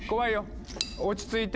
落ち着いて。